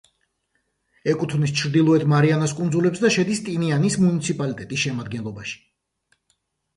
ეკუთვნის ჩრდილოეთ მარიანას კუნძულებს და შედის ტინიანის მუნიციპალიტეტის შემადგენლობაში.